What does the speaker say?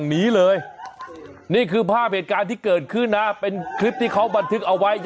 หนีเลยนี่คือภาพเหตุการณ์ที่เกิดขึ้นนะเป็นคลิปที่เขาบันทึกเอาไว้